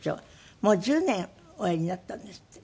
もう１０年おやりになったんですって？